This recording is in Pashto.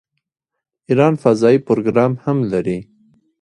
ایران فضايي پروګرام هم لري.